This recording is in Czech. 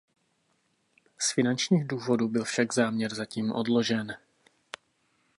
Z finančních důvodů byl však záměr zatím odložen.